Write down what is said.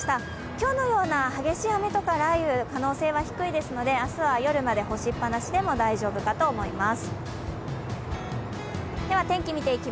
今日のような激しい雨とか雷雨可能性は低いですので、明日は夜まで干しっぱなしでも大丈夫かと思います。